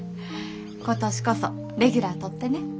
今年こそレギュラーとってね。